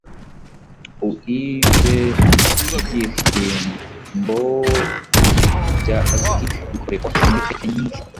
Uibye ibihyimbo bya Azuki bikorehwa muri keke nyinhi